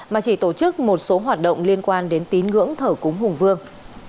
mà chỉ tổ chức một số hoạt động liên quan đến tín ngưỡng thờ cúng hùng vương